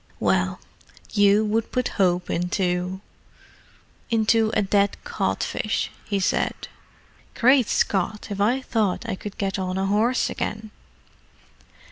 "Well, you would put hope into—into a dead codfish!" he said. "Great Scott, if I thought I could get on a horse again!"